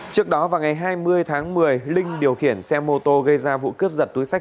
trước đó vào ngày hai mươi tháng một mươi linh điều khiển xe mô tô gây ra vụ cướp giật túi sách